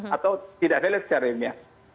atau tidak valid secara ilmiah